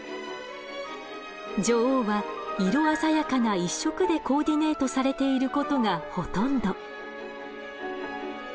女王は色鮮やかな一色でコーディネートされていることがほとんど。